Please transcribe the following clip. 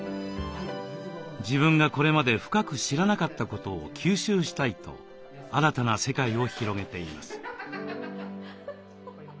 自分がこれまで深く知らなかったことを吸収したいと新たな世界を広げています。